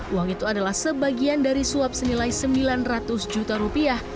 uang itu adalah sebagian dari suap senilai sembilan ratus juta rupiah